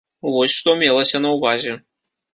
Вось што мелася на ўвазе.